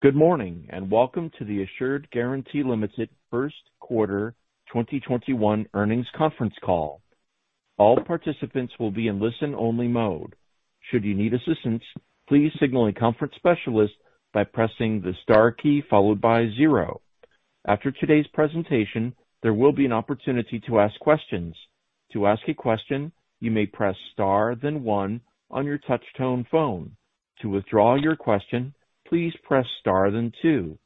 Good morning, and welcome to the Assured Guaranty Ltd. first quarter 2021 earnings conference call. All participants will be in listen-only mode. Should you need assistance, please signal a conference specialist by pressing the star key followed by zero. After today's presentation, there will be an opportunity to ask questions. To ask a question, you may press star then one on your touchtone phone. To withdraw your question, please press star then two.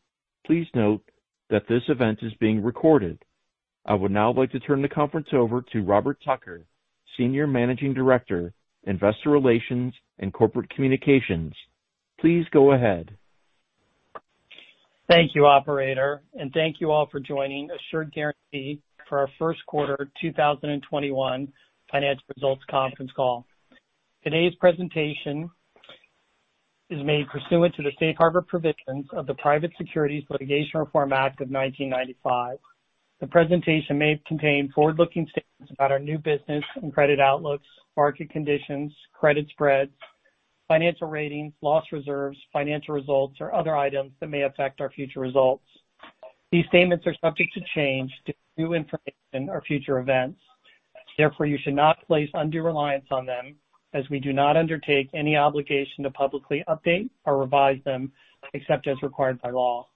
Please note that this event is being recorded. I would now like to turn the conference over to Robert Tucker, Senior Managing Director, Investor Relations and Corporate Communications. Please go ahead. Thank you, operator, and thank you all for joining Assured Guaranty for our first quarter 2021 financial results conference call. Today's presentation is made pursuant to the safe harbor provisions of the Private Securities Litigation Reform Act of 1995. The presentation may contain forward-looking statements about our new business and credit outlooks, market conditions, credit spreads, financial ratings, loss reserves, financial results, or other items that may affect our future results. These statements are subject to change due to new information or future events. Therefore, you should not place undue reliance on them as we do not undertake any obligation to publicly update or revise them except as required by law.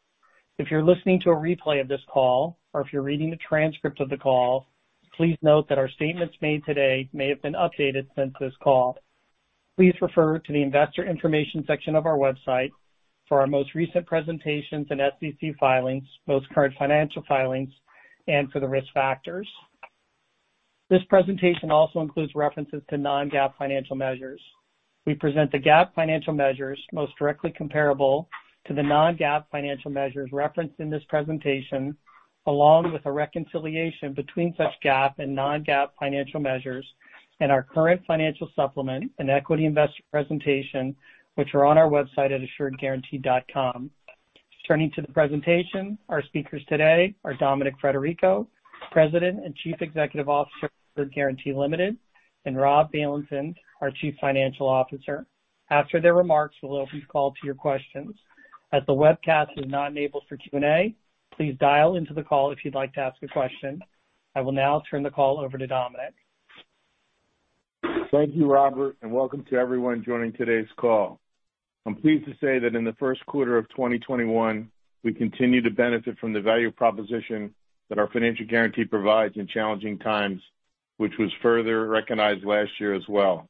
If you're listening to a replay of this call or if you're reading a transcript of the call, please note that our statements made today may have been updated since this call. Please refer to the investor information section of our website for our most recent presentations and SEC filings, most current financial filings, and for the risk factors. This presentation also includes references to non-GAAP financial measures. We present the GAAP financial measures most directly comparable to the non-GAAP financial measures referenced in this presentation, along with a reconciliation between such GAAP and non-GAAP financial measures in our current financial supplement and equity investor presentation, which are on our website at assuredguaranty.com. Turning to the presentation, our speakers today are Dominic Frederico, President and Chief Executive Officer of Assured Guaranty Ltd., and Rob Bailenson, our Chief Financial Officer. After their remarks, we'll open the call to your questions. As the webcast is not enabled for Q&A, please dial into the call if you'd like to ask a question. I will now turn the call over to Dominic. Thank you, Robert. Welcome to everyone joining today's call. I'm pleased to say that in the first quarter of 2021, we continue to benefit from the value proposition that our financial guarantee provides in challenging times, which was further recognized last year as well.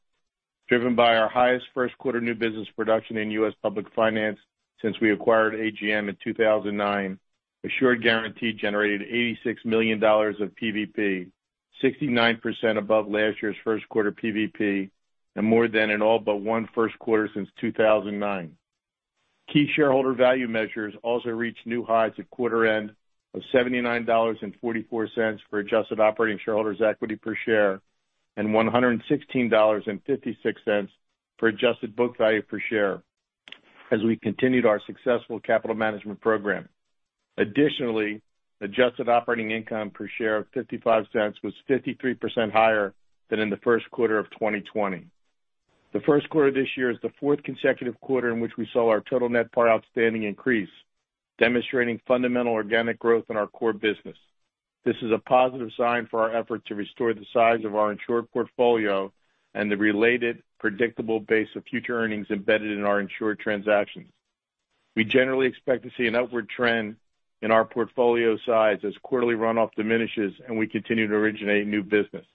Driven by our highest first quarter new business production in U.S. public finance since we acquired AGM in 2009, Assured Guaranty generated $86 million of PVP, 69% above last year's first quarter PVP and more than in all but one first quarter since 2009. Key shareholder value measures also reached new highs at quarter end of $79.44 for adjusted operating shareholders' equity per share and $116.56 for adjusted book value per share as we continued our successful capital management program. Additionally, adjusted operating income per share of $0.55 was 53% higher than in the first quarter of 2020. The first quarter of this year is the fourth consecutive quarter in which we saw our total net par outstanding increase, demonstrating fundamental organic growth in our core business. This is a positive sign for our effort to restore the size of our insured portfolio and the related predictable base of future earnings embedded in our insured transactions. We generally expect to see an upward trend in our portfolio size as quarterly runoff diminishes and we continue to originate new business.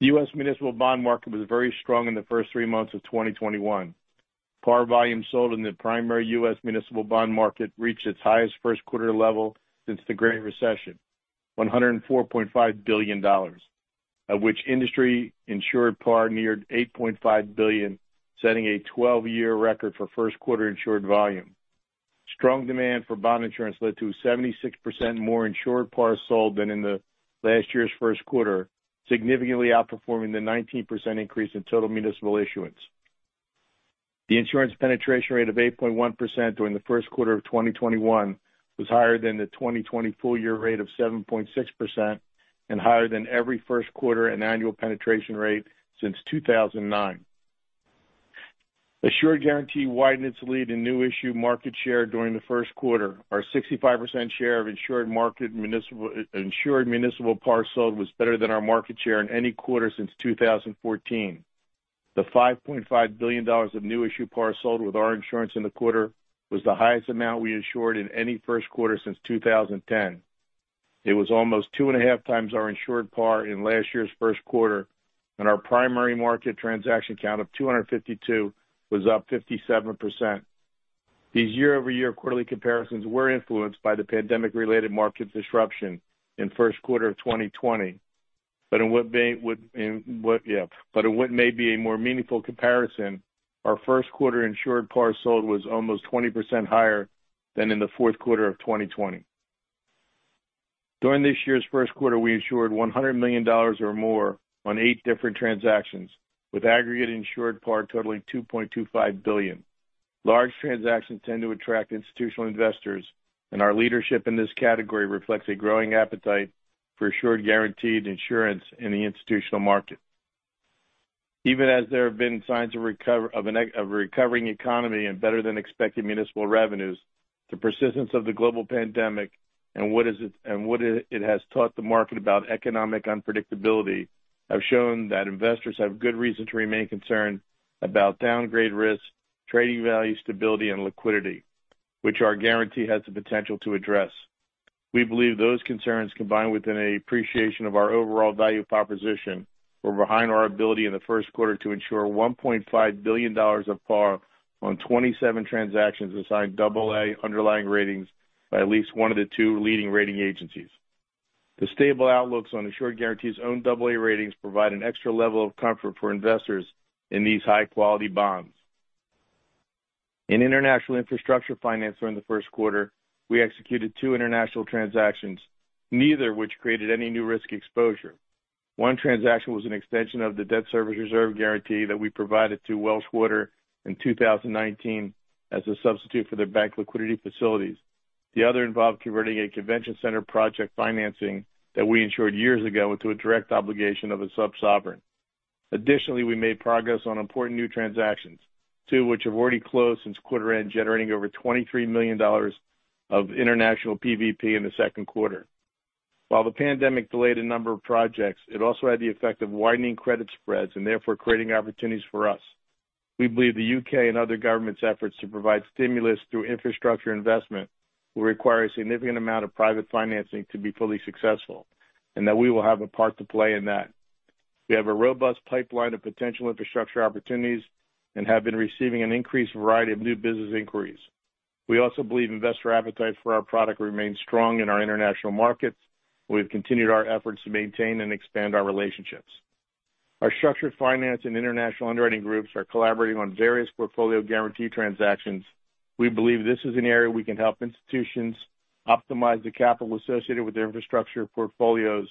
The U.S. municipal bond market was very strong in the first three months of 2021. Par volume sold in the primary U.S. municipal bond market reached its highest first quarter level since the Great Recession, $104.5 billion, of which industry-insured par neared $8.5 billion, setting a 12-year record for first quarter insured volume. Strong demand for bond insurance led to 76% more insured par sold than in the last year's first quarter, significantly outperforming the 19% increase in total municipal issuance. The insurance penetration rate of 8.1% during the first quarter of 2021 was higher than the 2020 full-year rate of 7.6% and higher than every first quarter and annual penetration rate since 2009. Assured Guaranty widened its lead in new issue market share during the first quarter. Our 65% share of insured municipal par sold was better than our market share in any quarter since 2014. The $5.5 billion of new issue par sold with our insurance in the quarter was the highest amount we insured in any first quarter since 2010. It was almost two and a half times our insured par in last year's first quarter, and our primary market transaction count of 252 was up 57%. These year-over-year quarterly comparisons were influenced by the pandemic-related market disruption in first quarter of 2020. In what may be a more meaningful comparison, our first quarter insured par sold was almost 20% higher than in the fourth quarter of 2020. During this year's first quarter, we insured $100 million or more on eight different transactions, with aggregate insured par totaling $2.25 billion. Large transactions tend to attract institutional investors, and our leadership in this category reflects a growing appetite for Assured Guaranty's insurance in the institutional market. As there have been signs of a recovering economy and better than expected municipal revenues, the persistence of the global pandemic and what it has taught the market about economic unpredictability have shown that investors have good reason to remain concerned about downgrade risk, trading value stability, and liquidity, which our guaranty has the potential to address. We believe those concerns, combined with an appreciation of our overall value proposition, were behind our ability in the first quarter to insure $1.5 billion of par on 27 transactions assigned AA underlying ratings by at least one of the two leading rating agencies. The stable outlooks on Assured Guaranty's own AA ratings provide an extra level of comfort for investors in these high-quality bonds. In international infrastructure finance during the first quarter, we executed two international transactions, neither of which created any new risk exposure. One transaction was an extension of the debt service reserve guarantee that we provided to Welsh Water in 2019 as a substitute for their bank liquidity facilities. The other involved converting a convention center project financing that we insured years ago into a direct obligation of a sub-sovereign. Additionally, we made progress on important new transactions, two of which have already closed since quarter end, generating over $23 million of international PVP in the second quarter. While the pandemic delayed a number of projects, it also had the effect of widening credit spreads and therefore creating opportunities for us. We believe the U.K. and other governments' efforts to provide stimulus through infrastructure investment will require a significant amount of private financing to be fully successful, and that we will have a part to play in that. We have a robust pipeline of potential infrastructure opportunities and have been receiving an increased variety of new business inquiries. We also believe investor appetite for our product remains strong in our international markets, and we've continued our efforts to maintain and expand our relationships. Our structured finance and international underwriting groups are collaborating on various portfolio guarantee transactions. We believe this is an area we can help institutions optimize the capital associated with their infrastructure portfolios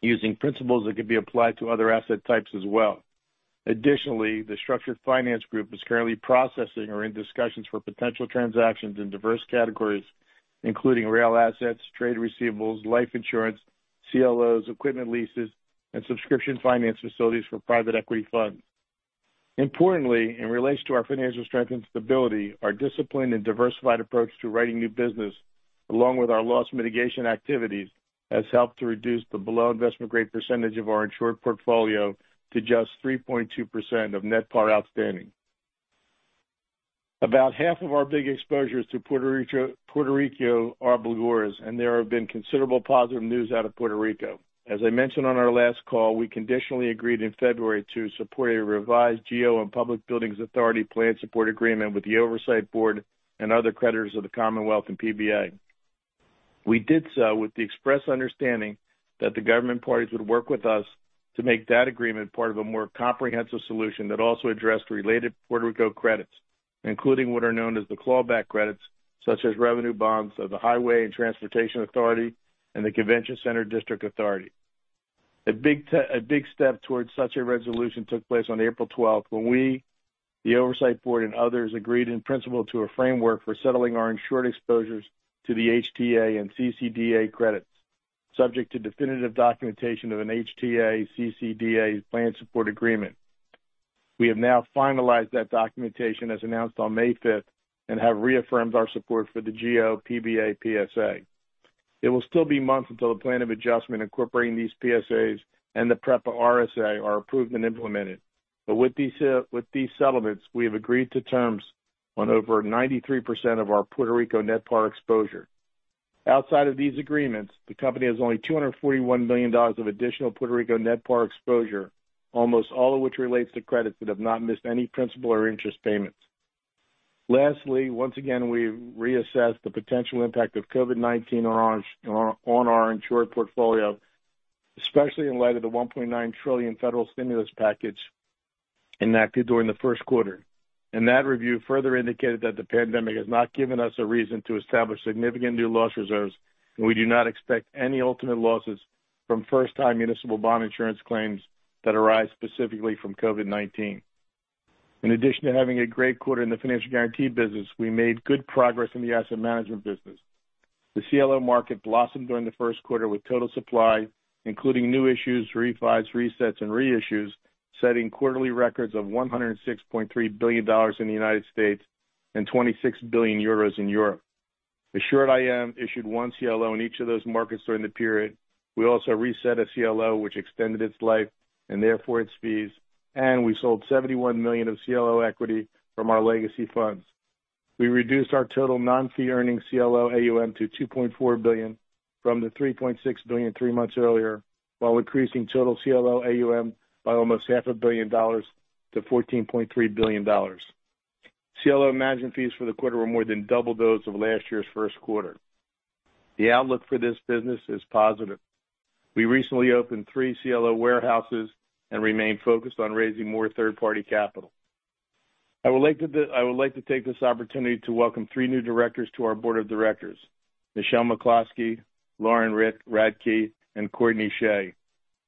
using principles that could be applied to other asset types as well. The structured finance group is currently processing or in discussions for potential transactions in diverse categories, including rail assets, trade receivables, life insurance, CLOs, equipment leases, and subscription finance facilities for private equity funds. In relation to our financial strength and stability, our disciplined and diversified approach to writing new business, along with our loss mitigation activities, has helped to reduce the below investment grade percentage of our insured portfolio to just 3.2% of net par outstanding. About half of our Big exposures to Puerto Rico are BLGORs, there have been considerable positive news out of Puerto Rico. As I mentioned on our last call, we conditionally agreed in February to support a revised GO and Public Buildings Authority Plan Support Agreement with the oversight board and other creditors of the Commonwealth and PBA. We did so with the express understanding that the government parties would work with us to make that agreement part of a more comprehensive solution that also addressed related Puerto Rico credits, including what are known as the Clawback credits, such as revenue bonds of the Highway and Transportation Authority and the Convention Center District Authority. A big step towards such a resolution took place on April 12th when we, the oversight board, and others agreed in principle to a framework for settling our insured exposures to the HTA and CCDA credits, subject to definitive documentation of an HTA/CCDA Plan Support Agreement. We have now finalized that documentation, as announced on May 5th, and have reaffirmed our support for the GO/PBA PSA. It will still be months until the Plan of Adjustment incorporating these PSAs and the PREPA RSA are approved and implemented. With these settlements, we have agreed to terms on over 93% of our Puerto Rico net par exposure. Outside of these agreements, the company has only $241 million of additional Puerto Rico net par exposure, almost all of which relates to credits that have not missed any principal or interest payments. Lastly, once again, we've reassessed the potential impact of COVID-19 on our insured portfolio, especially in light of the $1.9 trillion federal stimulus package enacted during the first quarter. That review further indicated that the pandemic has not given us a reason to establish significant new loss reserves, and we do not expect any ultimate losses from first-time municipal bond insurance claims that arise specifically from COVID-19. In addition to having a great quarter in the financial guarantee business, we made good progress in the asset management business. The CLO market blossomed during the first quarter with total supply, including new issues, refis, resets, and reissues, setting quarterly records of $106.3 billion in the United States and 26 billion euros in Europe. Assured IM issued one CLO in each of those markets during the period. We also reset a CLO, which extended its life and therefore its fees, and we sold $71 million of CLO equity from our legacy funds. We reduced our total non-fee-earning CLO AUM to $2.4 billion from the $3.6 billion three months earlier, while increasing total CLO AUM by almost half a billion dollars to $14.3 billion. CLO management fees for the quarter were more than double those of last year's first quarter. The outlook for this business is positive. We recently opened three CLO warehouses and remain focused on raising more third-party capital. I would like to take this opportunity to welcome three new directors to our board of directors, Michelle McCloskey, Lorin Radtke, and Courtney Shea.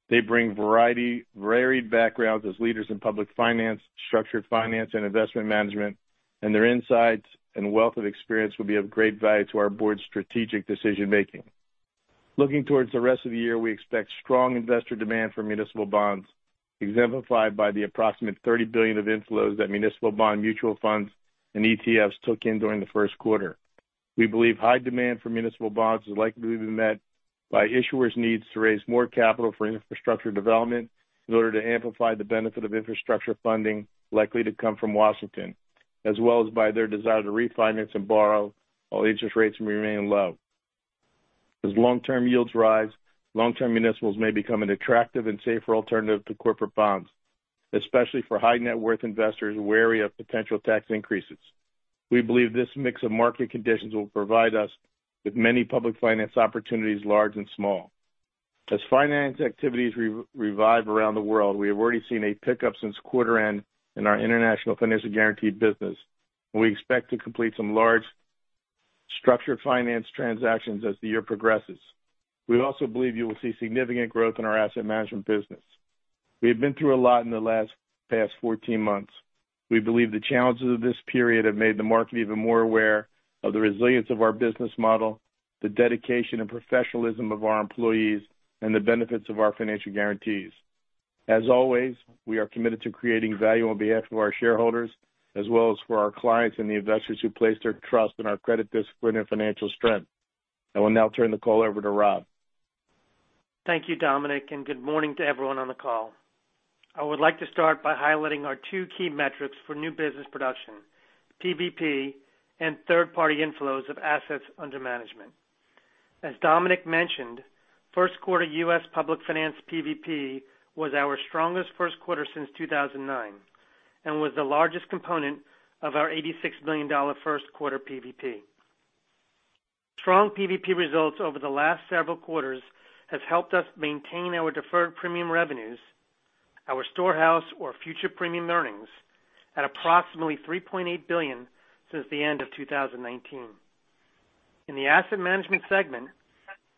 They bring varied backgrounds as leaders in public finance, structured finance, and investment management, their insights and wealth of experience will be of great value to our board's strategic decision-making. Looking towards the rest of the year, we expect strong investor demand for municipal bonds, exemplified by the approximate $30 billion of inflows that municipal bond mutual funds and ETFs took in during the first quarter. We believe high demand for municipal bonds is likely to be met by issuers' needs to raise more capital for infrastructure development in order to amplify the benefit of infrastructure funding likely to come from Washington, as well as by their desire to refinance and borrow while interest rates remain low. As long-term yields rise, long-term municipals may become an attractive and safer alternative to corporate bonds, especially for high-net-worth investors wary of potential tax increases. We believe this mix of market conditions will provide us with many public finance opportunities, large and small. As finance activities revive around the world, we have already seen a pickup since quarter end in our international financial guaranty business, and we expect to complete some large structured finance transactions as the year progresses. We also believe you will see significant growth in our asset management business. We have been through a lot in the last 14 months. We believe the challenges of this period have made the market even more aware of the resilience of our business model, the dedication and professionalism of our employees, and the benefits of our financial guarantees. As always, we are committed to creating value on behalf of our shareholders, as well as for our clients and the investors who place their trust in our credit discipline and financial strength. I will now turn the call over to Rob. Thank you, Dominic. Good morning to everyone on the call. I would like to start by highlighting our two key metrics for new business production, PVP and third-party inflows of assets under management. As Dominic mentioned, first quarter U.S. public finance PVP was our strongest first quarter since 2009 and was the largest component of our $86 million first quarter PVP. Strong PVP results over the last several quarters has helped us maintain our deferred premium revenues, our storehouse or future premium earnings, at approximately $3.8 billion since the end of 2019. In the Asset Management segment,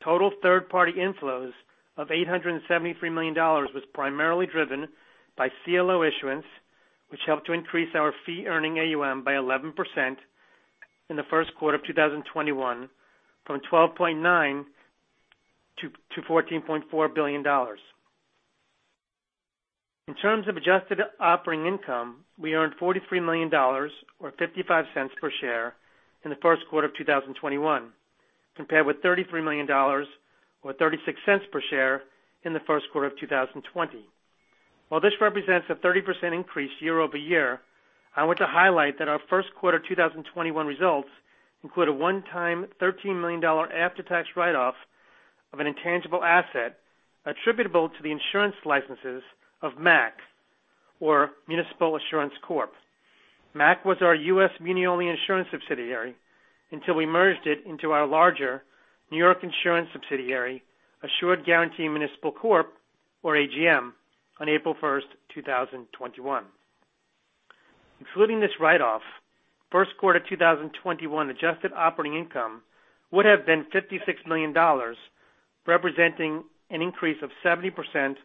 total third-party inflows of $873 million was primarily driven by CLO issuance, which helped to increase our fee-earning AUM by 11% in the first quarter of 2021 from $12.9 billion-$14.4 billion. In terms of adjusted operating income, we earned $43 million or $0.55 per share in the first quarter of 2021, compared with $33 million or $0.36 per share in the first quarter of 2020. While this represents a 30% increase year-over-year, I want to highlight that our first quarter 2021 results include a one-time $13 million after-tax write-off of an intangible asset attributable to the insurance licenses of MAC, or Municipal Assurance Corp. MAC was our U.S. muni-only insurance subsidiary until we merged it into our larger New York insurance subsidiary, Assured Guaranty Municipal Corp., or AGM, on April 1st, 2021. Excluding this write-off, first quarter 2021 adjusted operating income would have been $56 million, representing an increase of 70%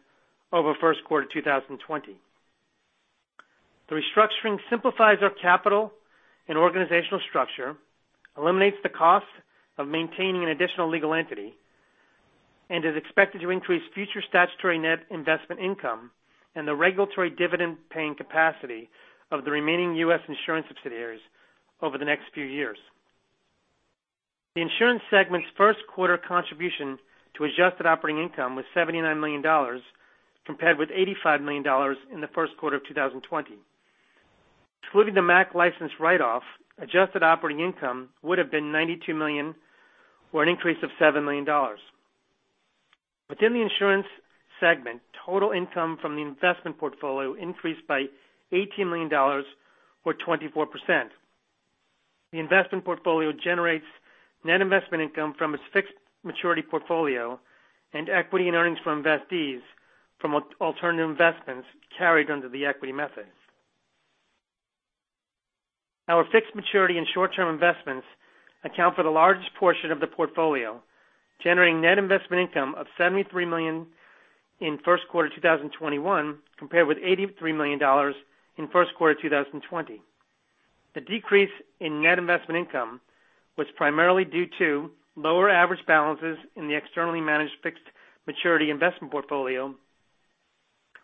over first quarter 2020. The restructuring simplifies our capital and organizational structure, eliminates the cost of maintaining an additional legal entity, and is expected to increase future statutory net investment income and the regulatory dividend-paying capacity of the remaining U.S. insurance subsidiaries over the next few years. The Insurance segment's first quarter contribution to adjusted operating income was $79 million, compared with $85 million in the first quarter of 2020. Excluding the MAC license write-off, adjusted operating income would've been $92 million or an increase of $7 million. Within the Insurance segment, total income from the investment portfolio increased by $18 million or 24%. The investment portfolio generates net investment income from its fixed maturity portfolio and equity earnings from investees from alternative investments carried under the equity method. Our fixed maturity and short-term investments account for the largest portion of the portfolio, generating net investment income of $73 million in first quarter 2021 compared with $83 million in first quarter 2020. The decrease in net investment income was primarily due to lower average balances in the externally managed fixed maturity investment portfolio,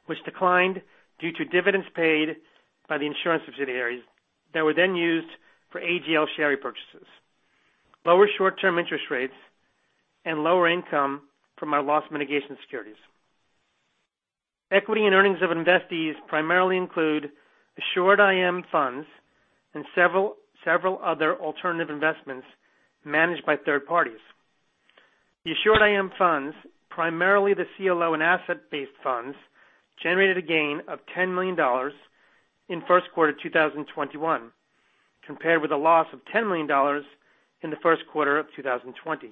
which declined due to dividends paid by the insurance subsidiaries that were then used for AGL share repurchases, lower short-term interest rates, and lower income from our loss mitigation securities. Equity in earnings of investees primarily include Assured IM funds and several other alternative investments managed by third parties. The Assured IM funds, primarily the CLO and asset-based funds, generated a gain of $10 million in first quarter 2021 compared with a loss of $10 million in the first quarter of 2020.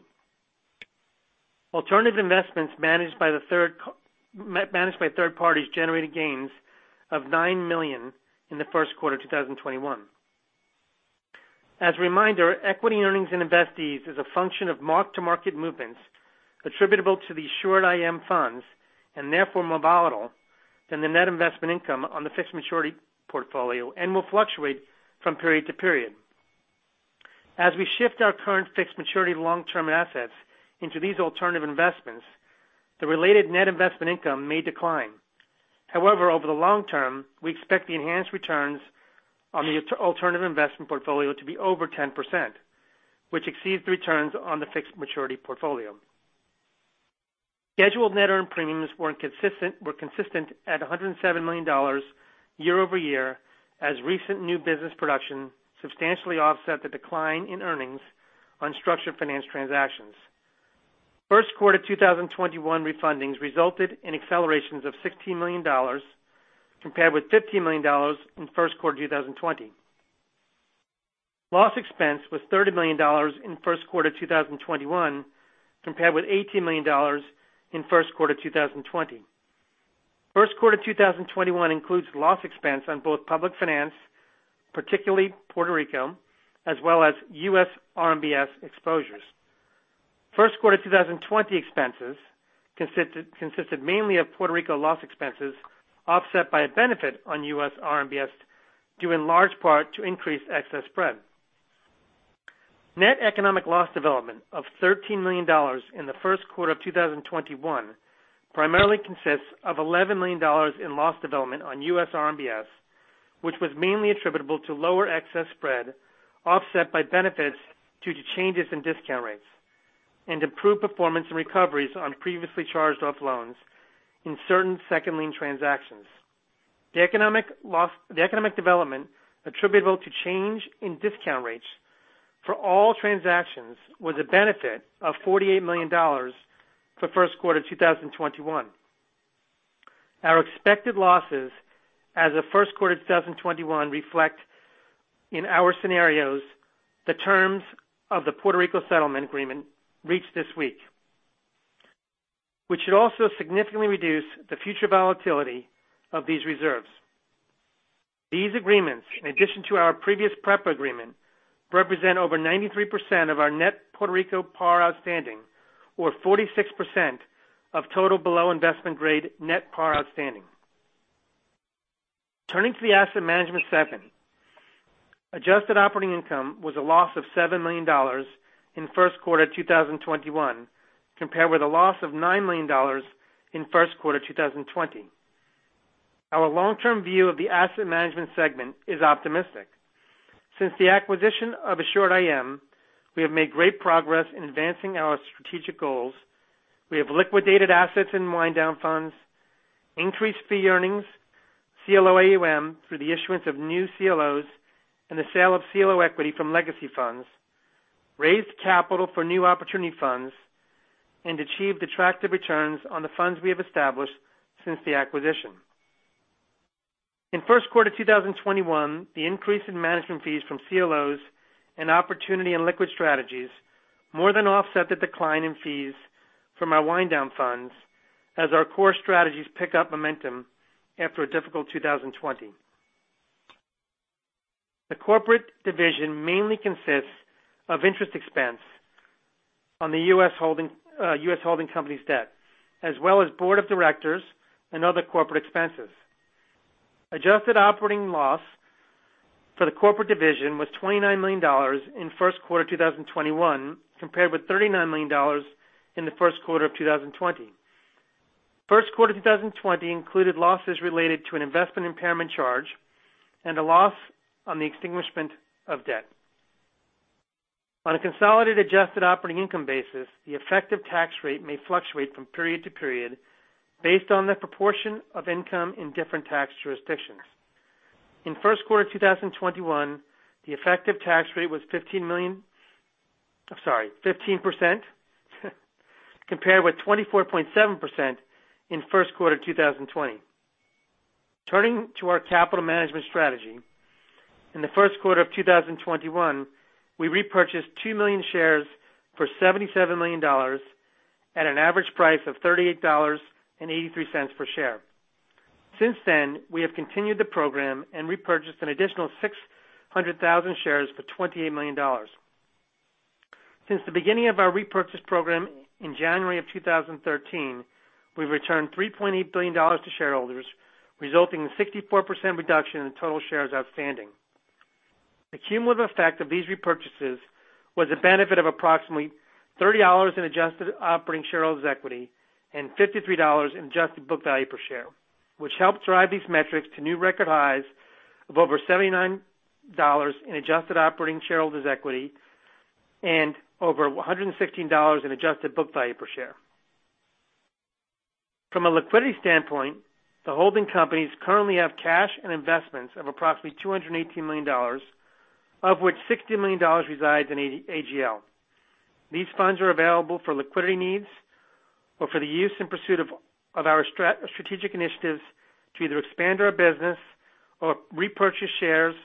Alternative investments managed by third parties generated gains of $9 million in the first quarter 2021. As a reminder, equity earnings in investees is a function of mark-to-market movements attributable to the Assured IM funds and therefore more volatile than the net investment income on the fixed maturity portfolio and will fluctuate from period to period. As we shift our current fixed maturity long-term assets into these alternative investments, the related net investment income may decline. Over the long term, we expect the enhanced returns on the alternative investment portfolio to be over 10%, which exceeds the returns on the fixed maturity portfolio. Scheduled net earned premiums were consistent at $107 million year-over-year, as recent new business production substantially offset the decline in earnings on structured finance transactions. First quarter 2021 refundings resulted in accelerations of $16 million, compared with $15 million in first quarter 2020. Loss expense was $30 million in first quarter 2021, compared with $18 million in first quarter 2020. First quarter 2021 includes loss expense on both public finance, particularly Puerto Rico, as well as US RMBS exposures. First quarter 2020 expenses consisted mainly of Puerto Rico loss expenses, offset by a benefit on US RMBS, due in large part to increased excess spread. Net economic loss development of $13 million in the first quarter of 2021 primarily consists of $11 million in loss development on US RMBS, which was mainly attributable to lower excess spread, offset by benefits due to changes in discount rates and improved performance and recoveries on previously charged-off loans in certain second lien transactions. The economic development attributable to change in discount rates for all transactions was a benefit of $48 million for first quarter 2021. Our expected losses as of first quarter 2021 reflect in our scenarios the terms of the Puerto Rico settlement agreement reached this week, which should also significantly reduce the future volatility of these reserves. These agreements, in addition to our previous PREPA agreement, represent over 93% of our net Puerto Rico par outstanding, or 46% of total below investment grade net par outstanding. Turning to the Asset Management segment. Adjusted operating income was a loss of $7 million in first quarter 2021, compared with a loss of $9 million in first quarter 2020. Our long-term view of the Asset Management segment is optimistic. Since the acquisition of Assured IM, we have made great progress in advancing our strategic goals. We have liquidated assets and wind down funds, increased fee earnings, CLO AUM through the issuance of new CLOs and the sale of CLO equity from legacy funds, raised capital for new opportunity funds, and achieved attractive returns on the funds we have established since the acquisition. In first quarter 2021, the increase in management fees from CLOs and opportunity and liquid strategies more than offset the decline in fees from our wind down funds as our core strategies pick up momentum after a difficult 2020. The corporate division mainly consists of interest expense on the U.S. holding company's debt, as well as board of directors and other corporate expenses. Adjusted operating loss for the corporate division was $29 million in first quarter 2021, compared with $39 million in the first quarter of 2020. First quarter 2020 included losses related to an investment impairment charge and a loss on the extinguishment of debt. On a consolidated adjusted operating income basis, the effective tax rate may fluctuate from period to period based on the proportion of income in different tax jurisdictions. In first quarter 2021, the effective tax rate was 15% compared with 24.7% in first quarter 2020. Turning to our capital management strategy. In the first quarter of 2021, we repurchased 2 million shares for $77 million at an average price of $38.83 per share. Since then, we have continued the program and repurchased an additional 600,000 shares for $28 million. Since the beginning of our repurchase program in January of 2013, we've returned $3.8 billion to shareholders, resulting in 64% reduction in total shares outstanding. The cumulative effect of these repurchases was a benefit of approximately $30 in adjusted operating shareholders' equity and $53 in adjusted book value per share, which helped drive these metrics to new record highs of over $79 in adjusted operating shareholders' equity and over $116 in adjusted book value per share. From a liquidity standpoint, the holding companies currently have cash and investments of approximately $218 million, of which $60 million resides in AGL. These funds are available for liquidity needs or for the use in pursuit of our strategic initiatives to either expand our business or repurchase shares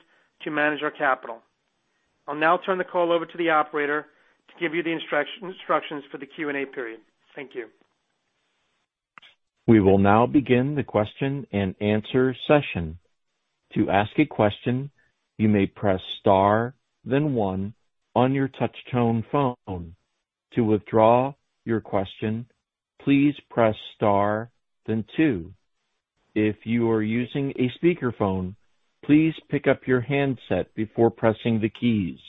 to manage our capital. I'll now turn the call over to the operator to give you the instructions for the Q&A period. Thank you. We will now begin the question and answer session. To ask a question, you may press star then one on your touch tone phone. To withdraw your question, please press star then two. If you are using a speakerphone, please pick up your handset before pressing the keys.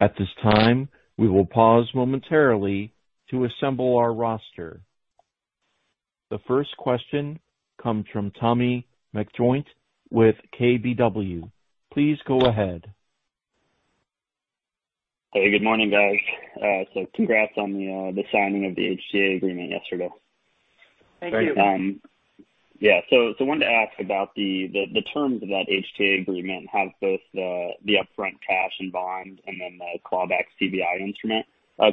At this time, we will pause momentarily to assemble our roster. The first question comes from Tommy McJoynt with KBW. Please go ahead. Hey, good morning, guys. Congrats on the signing of the HTA agreement yesterday. Thank you. I wanted to ask about the terms of that HTA agreement have both the upfront cash and bonds and then the Clawback CVI instrument.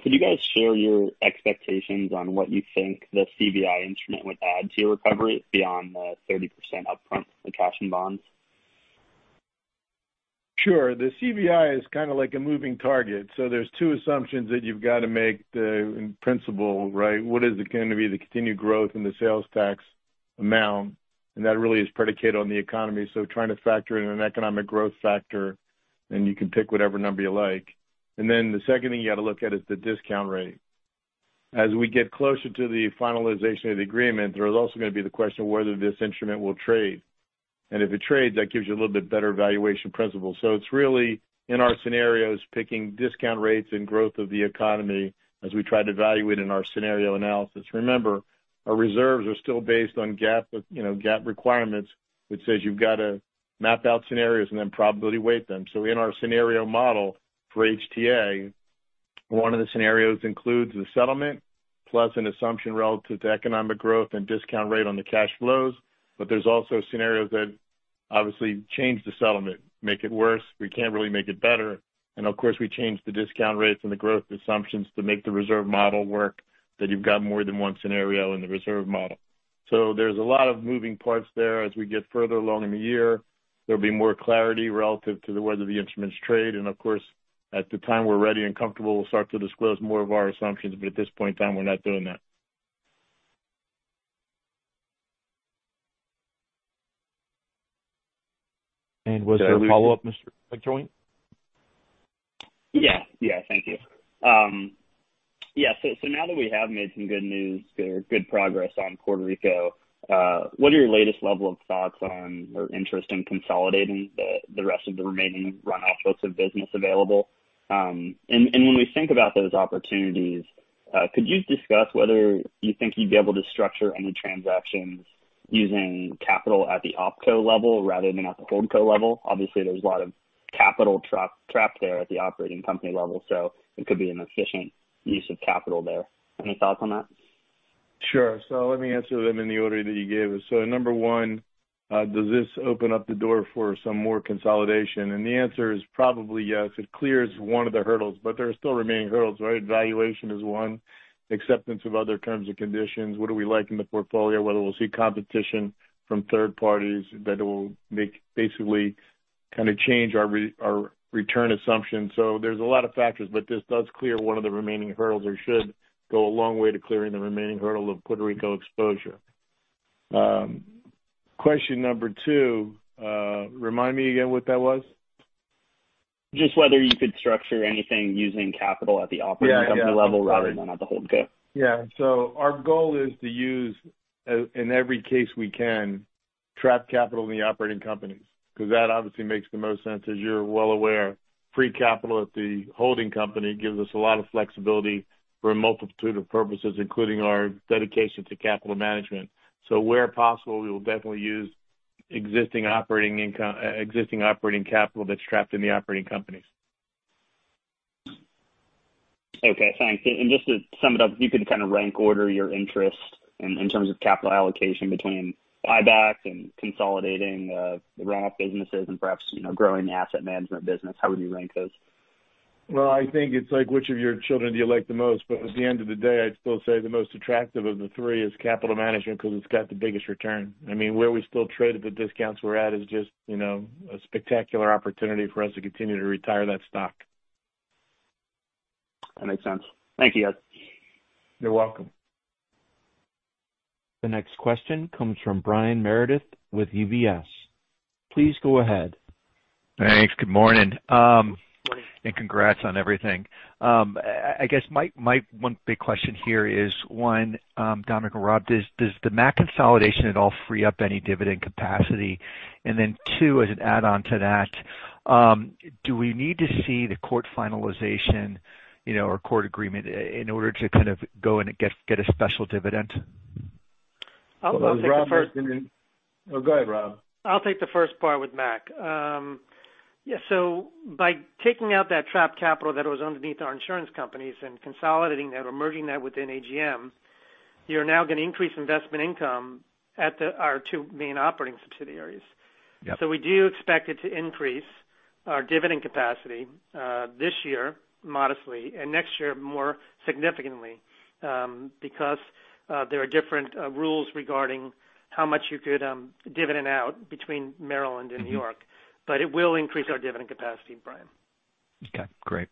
Could you guys share your expectations on what you think the CVI instrument would add to your recovery beyond the 30% upfront, the cash and bonds? Sure. The CVI is kind of like a moving target. There's two assumptions that you've got to make in principle. What is going to be the continued growth in the sales tax amount? That really is predicated on the economy. Trying to factor in an economic growth factor, and you can pick whatever number you like. The second thing you got to look at is the discount rate. As we get closer to the finalization of the agreement, there is also going to be the question of whether this instrument will trade. If it trades, that gives you a little bit better valuation principle. It's really in our scenarios, picking discount rates and growth of the economy as we try to evaluate in our scenario analysis. Remember, our reserves are still based on GAAP requirements, which says you've got to map out scenarios and then probability weight them. In our scenario model for HTA, one of the scenarios includes the settlement plus an assumption relative to economic growth and discount rate on the cash flows. There's also scenarios that obviously change the settlement, make it worse. We can't really make it better. Of course, we change the discount rates and the growth assumptions to make the reserve model work, that you've got more than one scenario in the reserve model. There's a lot of moving parts there. As we get further along in the year, there'll be more clarity relative to whether the instruments trade. Of course, at the time we're ready and comfortable, we'll start to disclose more of our assumptions. At this point in time, we're not doing that. Was there a follow-up, Mr. McJoynt? Yeah. Thank you. Now that we have made some good news, good progress on Puerto Rico, what are your latest level of thoughts on or interest in consolidating the rest of the remaining runoff books of business available? When we think about those opportunities, could you discuss whether you think you'd be able to structure any transactions using capital at the OpCo level rather than at the HoldCo level? Obviously, there's a lot of capital trapped there at the operating company level, so it could be an efficient use of capital there. Any thoughts on that? Sure. Let me answer them in the order that you gave us. Number one, does this open up the door for some more consolidation? The answer is probably yes. It clears one of the hurdles, but there are still remaining hurdles. Valuation is one. Acceptance of other terms and conditions. What do we like in the portfolio, whether we'll see competition from third parties that will make basically change our return assumption. There's a lot of factors, but this does clear one of the remaining hurdles or should go a long way to clearing the remaining hurdle of Puerto Rico exposure. Question number two, remind me again what that was. Just whether you could structure anything using capital at the operating company level rather than at the HoldCo. Yeah. Our goal is to use, in every case we can, trap capital in the operating companies, because that obviously makes the most sense. As you're well aware, free capital at the holding company gives us a lot of flexibility for a multitude of purposes, including our dedication to capital management. Where possible, we will definitely use existing operating capital that's trapped in the operating companies. Okay, thanks. Just to sum it up, if you could kind of rank order your interest in terms of capital allocation between buyback and consolidating the runoff businesses and perhaps growing the asset management business, how would you rank those? Well, I think it's like, which of your children do you like the most? At the end of the day, I'd still say the most attractive of the three is capital management because it's got the biggest return. Where we still trade at the discounts we're at is just a spectacular opportunity for us to continue to retire that stock. That makes sense. Thank you, guys. You're welcome. The next question comes from Brian Meredith with UBS. Please go ahead. Thanks. Good morning. Good morning. Congrats on everything. I guess my one big question here is, one, Dominic or Rob, does the MAC consolidation at all free up any dividend capacity? Then two, as an add-on to that, do we need to see the court finalization or court agreement in order to go in and get a special dividend? Oh, go ahead, Rob. I'll take the first part with MAC. Yeah, by taking out that trapped capital that was underneath our insurance companies and consolidating that or merging that within AGM, you're now going to increase investment income at our two main operating subsidiaries. Yeah. We do expect it to increase our dividend capacity this year modestly and next year more significantly because there are different rules regarding how much you could dividend out between Maryland and New York. It will increase our dividend capacity, Brian. Okay, great.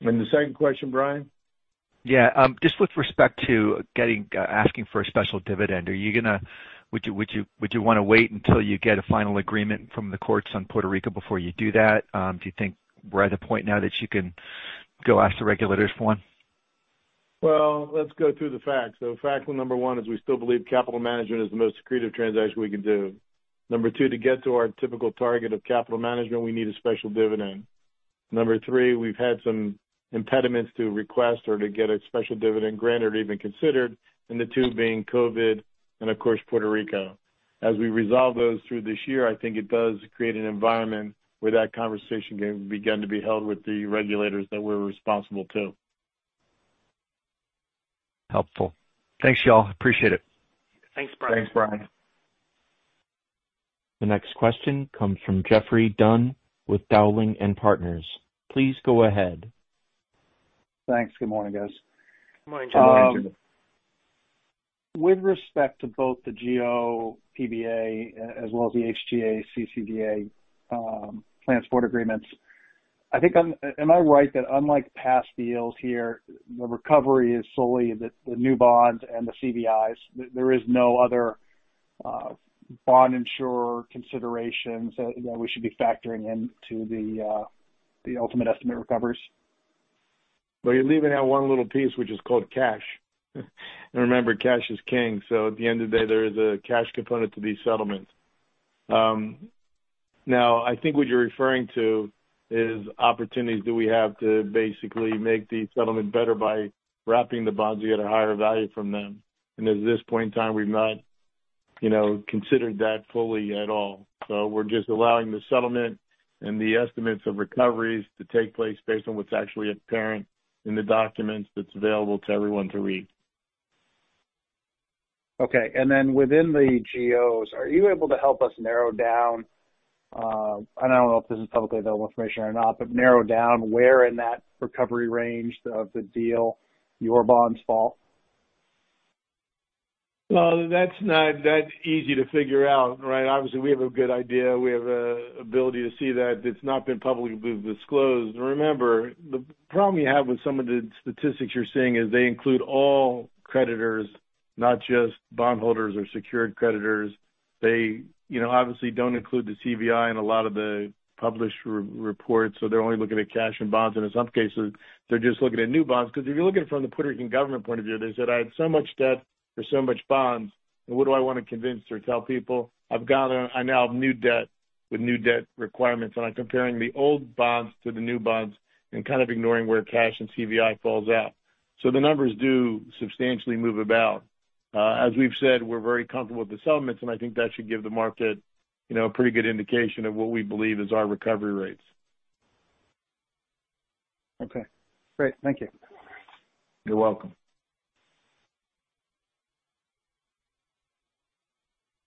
The second question, Brian? Yeah. Just with respect to asking for a special dividend, would you want to wait until you get a final agreement from the courts on Puerto Rico before you do that? Do you think we're at a point now that you can go ask the regulators for one? Well, let's go through the facts. Fact number one is we still believe capital management is the most accretive transaction we can do. number two, to get to our typical target of capital management, we need a special dividend. Number 3, we've had some impediments to request or to get a special dividend granted or even considered, and the two being COVID and, of course, Puerto Rico. As we resolve those through this year, I think it does create an environment where that conversation can begin to be held with the regulators that we're responsible to. Helpful. Thanks, y'all. Appreciate it. Thanks, Brian. Thanks, Brian. The next question comes from Jeffrey Dunn with Dowling & Partners. Please go ahead. Thanks. Good morning, guys. Good morning, Jeffrey. Good morning, Jeffrey. With respect to both the GO PBA as well as the HTA/CCDA plans support agreements, am I right that unlike past deals here, the recovery is solely the new bonds and the CVIs? There is no other bond insurer considerations that we should be factoring into the ultimate estimate recovers? Well, you're leaving out one little piece, which is called cash. Remember, cash is king. At the end of the day, there is a cash component to these settlements. Now, I think what you're referring to is opportunities that we have to basically make the settlement better by wrapping the bonds, you get a higher value from them. At this point in time, we've not considered that fully at all. We're just allowing the settlement and the estimates of recoveries to take place based on what's actually apparent in the documents that's available to everyone to read. Okay. Then within the GOs, are you able to help us narrow down, and I don't know if this is publicly available information or not, but narrow down where in that recovery range of the deal your bonds fall? Well, that's easy to figure out, right? We have a good idea. We have an ability to see that it's not been publicly disclosed. The problem you have with some of the statistics you're seeing is they include all creditors, not just bondholders or secured creditors. They obviously don't include the CVI in a lot of the published reports, they're only looking at cash and bonds, and in some cases, they're just looking at new bonds. If you're looking from the Puerto Rican government point of view, they said, "I have so much debt. There's so much bonds, and what do I want to convince or tell people? I now have new debt with new debt requirements, and I'm comparing the old bonds to the new bonds and kind of ignoring where cash and CVI falls out." The numbers do substantially move about. As we've said, we're very comfortable with the settlements. I think that should give the market a pretty good indication of what we believe is our recovery rates. Okay, great. Thank you. You're welcome.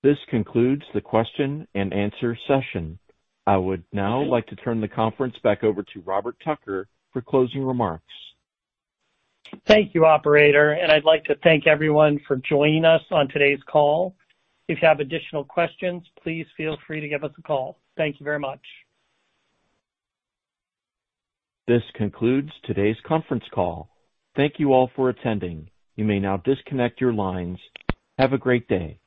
This concludes the question and answer session. I would now like to turn the conference back over to Robert Tucker for closing remarks. Thank you, operator. I'd like to thank everyone for joining us on today's call. If you have additional questions, please feel free to give us a call. Thank you very much. This concludes today's conference call. Thank you all for attending. You may now disconnect your lines. Have a great day.